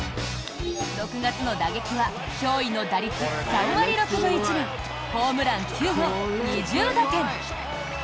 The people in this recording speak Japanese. ６月の打撃は驚異の打率３割６分１厘ホームラン９本、２０打点！